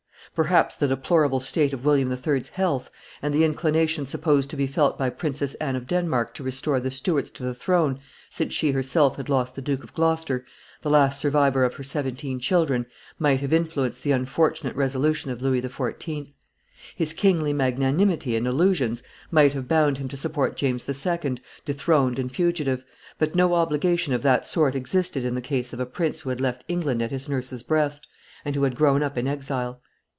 Perhaps the deplorable state of William III.'s health, and the inclination supposed to be felt by Princess Anne of Denmark to restore the Stuarts to the throne, since she herself had lost the Duke of Gloucester, the last survivor of her seventeen children, might have influenced the unfortunate resolution of Louis XIV. His kingly magnanimity and illusions might have bound him to support James II., dethroned and fugitive; but no obligation of that sort existed in the case of a prince who had left England at his nurse's, breast, and who had grown up in exile.